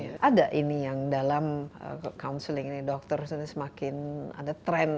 iya ada ini yang dalam counseling ini dokter semakin ada trend